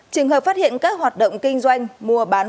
trường hợp phát hiện các hoạt động mua bán ngoài phạm vi các cửa hàng